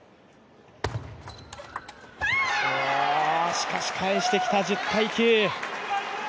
しかし返してきた、１０−９。